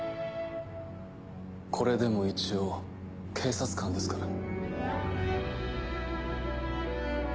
これでも一応警察官ですから。